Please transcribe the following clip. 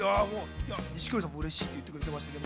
錦織さんもうれしいって言ってくれてました。